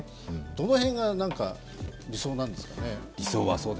どの辺が理想なんですかね。